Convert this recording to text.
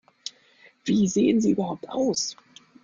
Wie sehen Sie überhaupt aus?